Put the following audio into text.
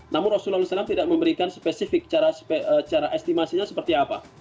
namun rasulullah saw tidak memberikan spesifik cara estimasinya seperti apa